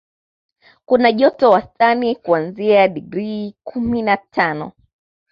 Kuna joto wastani kuanzia digrii kumi na tano